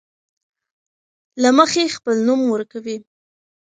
له مخې خپل نوم ورکوي.